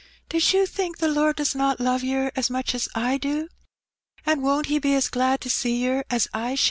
'' Does you think the Lord does not love yer as much as I do? An' won't He be as glad to see yer as I shaU?"